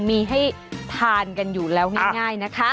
มีให้ทานกันอยู่แล้วง่ายนะคะ